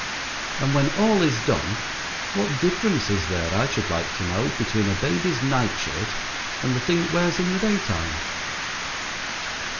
And when all is done, what difference is there, I should like to know, between a baby's night shirt and the thing it wears in the day time?